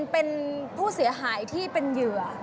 เป็นผู้เสียหายที่เป็นเหยื่อ